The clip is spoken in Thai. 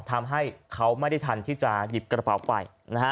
ทำให้เขาไม่ได้ทันที่จะหยิบกระเป๋าไปนะฮะ